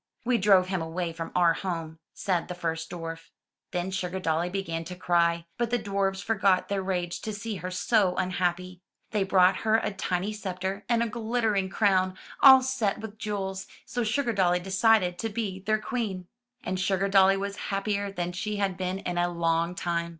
''We drove him away from our home," said the first dwarf. Then SugardoUy began to cry, but the dwarfs forgot their rage to see her so unhappy. They brought her a tiny scepter, and a glittering crown all set with jewels, so SugardoUy decided to be their queen. And SugardoUy was happier than she had been in a long time.